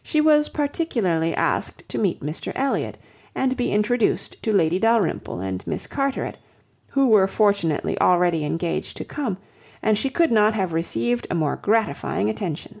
She was particularly asked to meet Mr Elliot, and be introduced to Lady Dalrymple and Miss Carteret, who were fortunately already engaged to come; and she could not have received a more gratifying attention.